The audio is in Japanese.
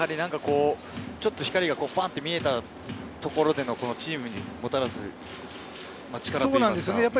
ちょっと光がパッと見えたところでのチームにもたらす力といいますか。